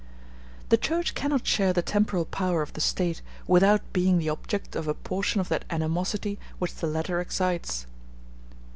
The Church cannot share the temporal power of the State without being the object of a portion of that animosity which the latter excites.